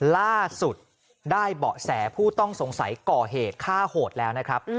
ล่าสุดได้เบาะแสผู้ต้องสงสัยก่อเหตุฆ่าโหดแล้วนะครับ